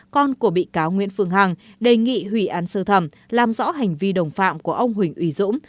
con của bị cáo nguyễn phương hằng đề nghị hủy án sơ thẩm làm rõ hành vi đồng phạm của ông huỳnh uy dũng